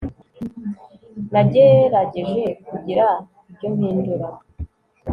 Nagerageje kugira ibyo mpindura